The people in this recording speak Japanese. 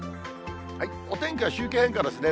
お天気は周期変化ですね。